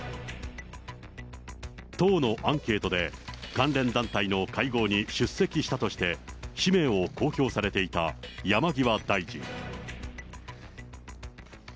党のアンケートで、関連団体の会合に出席したとして、氏名を公表されていた山際大臣。